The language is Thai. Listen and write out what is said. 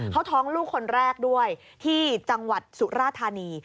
เขาท้องลูกคนแรกด้วยที่จังหวัดสุราธานี